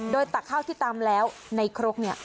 โดยตักข้าวที่ตำแล้วในครกเนี่ย